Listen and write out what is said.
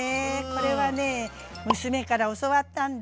これはね娘から教わったんだ。